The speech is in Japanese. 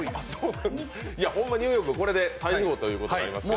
ホンマ、ニューヨーク、これで最後ということになりますから。